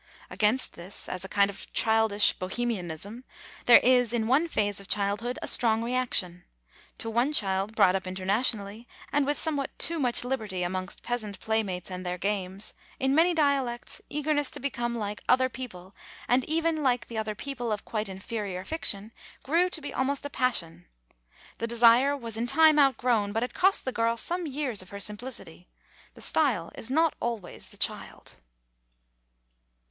Against this, as a kind of childish bohemianism, there is, in one phase of childhood, a strong reaction. To one child, brought up internationally, and with somewhat too much liberty amongst peasant play mates and their games, in many dialects, eagerness to become like "other people," and even like the other people of quite inferior fiction, grew to be almost a passion. The desire was in time out grown, but it cost the girl some years of her simplicity. The style is not always the child.